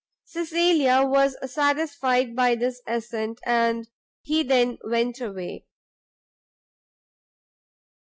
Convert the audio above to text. Cecilia was satisfied by this assent, and he then went away.